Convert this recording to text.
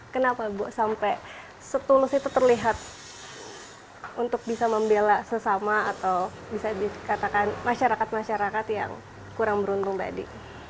kenapa bu sampai setulus itu terlihat untuk bisa membela sesama atau bisa dikatakan masyarakat masyarakat yang kurang beruntung tadi